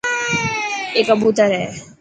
اي ڪبوتر هي.